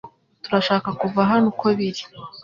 Turashaka kuva hano uko biri